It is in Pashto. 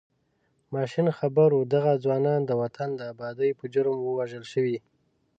ماشین خبر و دغه ځوانان د وطن د ابادۍ په جرم وژل شوي.